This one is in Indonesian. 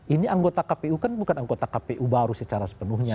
ini anggota kpu kan bukan anggota kpu baru secara sepenuhnya